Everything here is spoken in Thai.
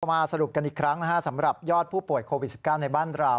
มาสรุปกันอีกครั้งสำหรับยอดผู้ป่วยโควิด๑๙ในบ้านเรา